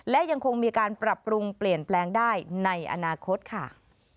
และยังคงมีการปรับปรุงเปลี่ยนแปลงได้ในอนาคตค่ะ